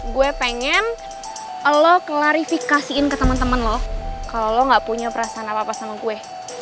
gue pengen lo klarifikasiin ke temen temen lo kalo lo ga punya perasaan apa apa sama gue